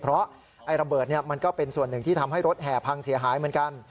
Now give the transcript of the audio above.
เพราะระเบิดมันก็เป็นส่วนหนึ่งที่ทำให้รถแห่พังเสียหายเหมือนกัน